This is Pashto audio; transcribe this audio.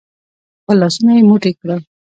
خپل لاسونه يې موټي کړل.